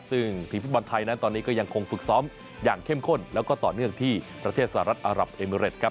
ซึ่งทีมฟุตบอลไทยนั้นตอนนี้ก็ยังคงฝึกซ้อมอย่างเข้มข้นแล้วก็ต่อเนื่องที่ประเทศสหรัฐอารับเอมิเรตครับ